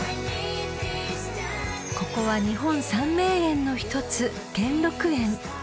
［ここは日本三名園の１つ兼六園］